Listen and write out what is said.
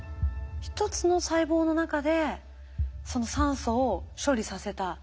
１つの細胞の中でその酸素を処理させた。